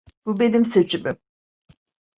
Bu benim seçimim.